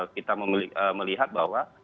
kita melihat bahwa